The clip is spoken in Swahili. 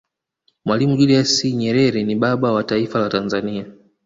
mwalimu julius nyerere ni baba was taifa la tanzania